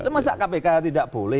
masa kpk tidak boleh